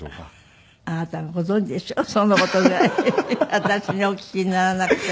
私にお聞きにならなくても。